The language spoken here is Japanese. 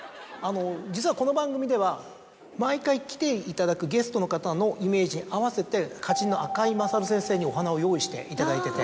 実はこの番組では毎回来ていただくゲストの方のイメージに合わせて花人の赤井勝先生にお花を用意していただいてて。